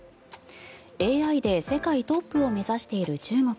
ＡＩで世界トップを目指している中国。